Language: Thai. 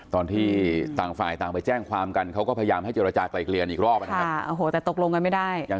ตอนที่ต่างฝ่ายต่างไปแจ้งความกันเขาก็พยายามให้เจรจากลายเกลียนอีกรอบนะครับ